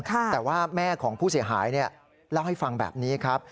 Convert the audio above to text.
แต่ว่าแม่ของผู้เสียหายเล่าให้ฟังแบบนี้ครับ